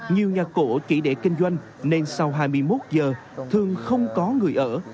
nhiều nhà cổ chỉ để kinh doanh nên sau hai mươi một giờ thường không có người ở